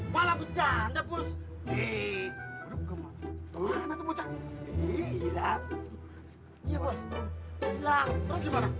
malam janda bus